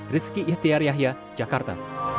rizky yhtiar yahya jakarta